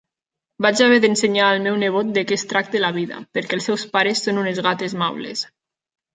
Vaig haver d'ensenyar al meu nebot de què es tracta la vida, perquè els seus pares són unes gates maules.